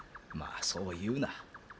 まあそう言うな。